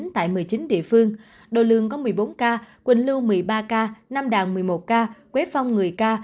tại một mươi chín địa phương đồ lương có một mươi bốn ca quỳnh lưu một mươi ba ca năm đàn một mươi một ca quế phong một mươi ca